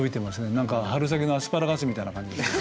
何か春先のアスパラガスみたいな感じで。